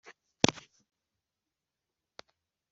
inkindi yera iyitonamo